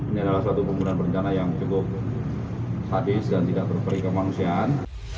ini adalah satu pembunuhan perencana yang cukup sadis dan tidak berperik kemanusiaan